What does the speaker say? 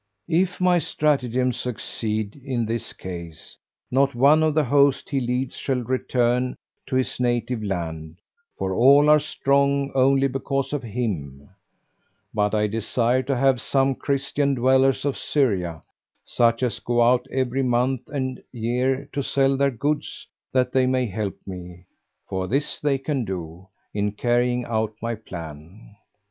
If my stratagem succeed in his case, not one of the host he leads shall return to his native land, for all are strong only because of him; but I desire to have some Christian dwellers of Syria, such as go out every month and year to sell their goods, that they may help me (for this they can do) in carrying out my plan."